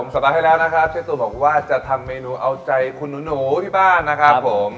สัปดาห์ที่แล้วนะครับเชฟตูนบอกว่าจะทำเมนูเอาใจคุณหนูที่บ้านนะครับผม